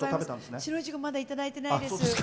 白いちごまだ、いただいてないです。